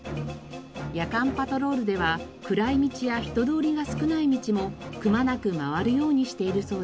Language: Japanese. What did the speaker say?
夜間パトロールでは暗い道や人通りが少ない道もくまなく回るようにしているそうです。